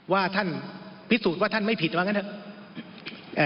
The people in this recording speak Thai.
ว่าท่านพิสูจน์ว่าท่านไม่ผิดว่างั้นเถอะ